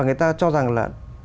người ta cho rằng là